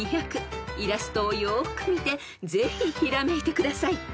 ［イラストをよーく見てぜひひらめいてください］